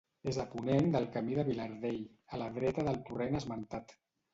És a ponent del Camí del Vilardell, a la dreta del torrent esmentat.